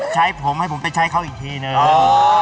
ใช้ผมให้ผมไปใช้เขาอีกทีนึง